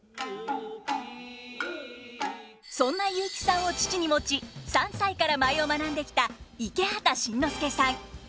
そんな雄輝さんを父に持ち３歳から舞を学んできた池畑慎之介さん。